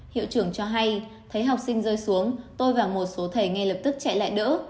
hiệu trưởng cho hay thấy học sinh rơi xuống tôi và một số thầy ngay lập tức chạy lại đỡ